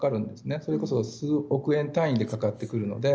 それこそ数億円単位でかかってくるので。